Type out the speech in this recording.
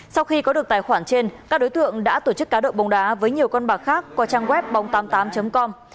sau khi có được tài khoản trên các đối tượng đã tổ chức cá độ bóng đá với nhiều con bạc khác qua trang web bóng tám mươi tám com